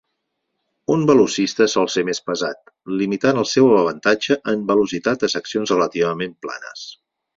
Un velocista sol ser més pesat, limitant el seu avantatge en velocitat a seccions relativament planes.